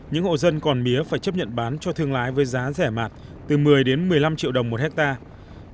những hộ dân còn mía phải chấp nhận bán cho thương lái với giá rẻ mạt từ một mươi đến một mươi năm triệu đồng một hectare